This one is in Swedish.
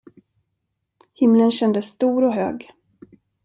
Himlen kändes stor och hög.